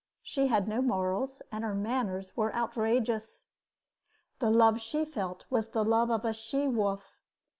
She had no morals, and her manners were outrageous. The love she felt was the love of a she wolf.